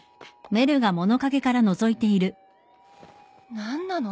何なの？